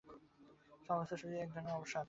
সমস্ত শরীরে এক ধরনের অবসাদ।